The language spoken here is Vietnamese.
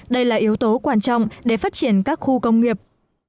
đây là yếu tố quan trọng để phát triển các khu công nghiệp